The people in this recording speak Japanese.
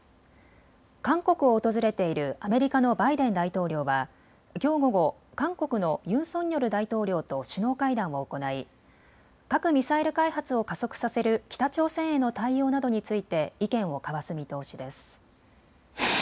韓国を訪れているアメリカのバイデン大統領はきょう午後、韓国のユン・ソンニョル大統領と首脳会談を行い核・ミサイル開発を加速させる北朝鮮への対応などについて意見を交わす見通しです。